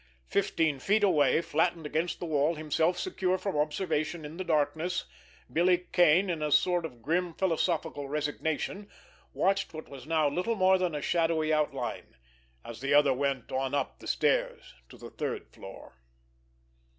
Fifteen feet away, flattened against the wall, himself secure from observation, in the darkness, Billy Kane, in a sort of grim philosophical resignation, watched what was now little more than a shadowy outline, as the other went on up the stairs to the third floor.